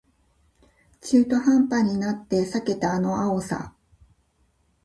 中途半端になって避けたあの青さ